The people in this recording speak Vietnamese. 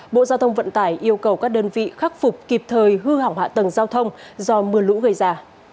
bộ giao thông vận tải yêu cầu các đơn vị khắc phục kịp thời hư hỏng hạ tầng giao thông do mưa lũ gây ra